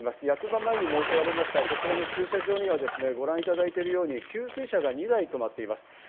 役場前に設けられましたこちらの駐車場にはご覧いただいているように給水車が２台止まっています。